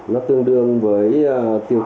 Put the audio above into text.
nó tương đương tiêu thụ hai nghìn tấn quá